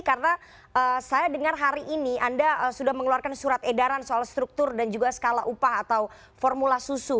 karena saya dengar hari ini anda sudah mengeluarkan surat edaran soal struktur dan juga skala upah atau formula susu